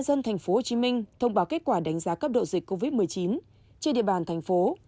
dân tp hcm thông báo kết quả đánh giá cấp độ dịch covid một mươi chín trên địa bàn thành phố